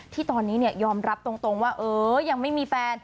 ที่ตอนนี้ยอมรับตรงว่าเออยังไม่มีแฟน